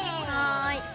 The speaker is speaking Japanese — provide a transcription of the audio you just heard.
はい。